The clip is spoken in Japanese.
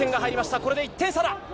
ここで１点差だ。